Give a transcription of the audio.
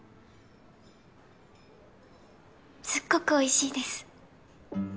すっごくおいしいです